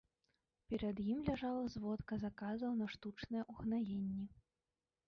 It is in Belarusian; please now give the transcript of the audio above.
Перад ім ляжала зводка заказаў на штучныя ўгнаенні.